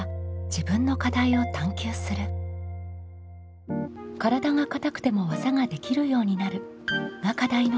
「体が硬くても技ができるようになる」が課題のはるきさん。